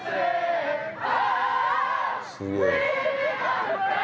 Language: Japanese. すげえ。